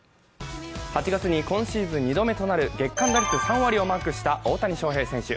８月に今シーズン２度目となる月間打率３割をマークした大谷翔平選手。